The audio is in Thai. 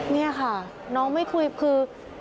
นี่ค่ะน้องไม่คุยคือ